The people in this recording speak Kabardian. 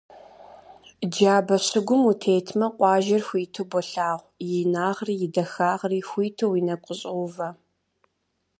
Джабэ щыгум утетмэ, къуажэр хуиту болъагъу, и инагъри и дахагъри хуиту уи нэгу къыщӀоувэ.